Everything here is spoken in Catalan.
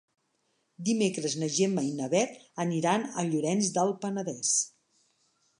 Dimecres na Gemma i na Bet aniran a Llorenç del Penedès.